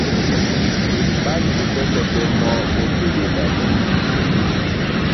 Ɓá jesɛ́ pɛ́tɛ́ mɔ́ ó téɓedi abú.